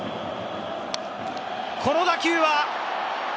この打球は？